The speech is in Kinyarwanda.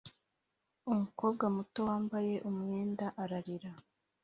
umukobwa muto wambaye umwenda ararira